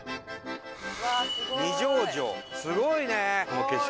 すごいねこの景色。